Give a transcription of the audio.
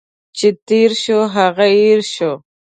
چي تیر شو، هغه هٻر شو.